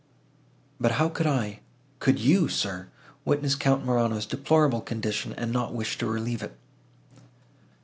But how could I, could you, sir, witness Count Morano's deplorable condition, and not wish to relieve it?"